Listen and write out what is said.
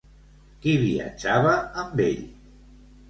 Qui viatjava amb ell?